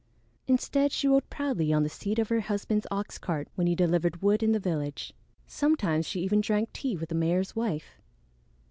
Instead she rode proudly on the seat of her husband's ox cart when he delivered wood in the village; sometimes she even drank tea with the mayor's wife!